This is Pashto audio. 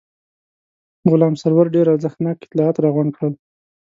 غلام سرور ډېر ارزښتناک اطلاعات راغونډ کړل.